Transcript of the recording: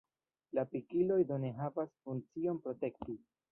La pikiloj do ne havas funkcion protekti.